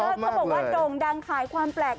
เขาบอกว่าโด่งดังขายความแปลก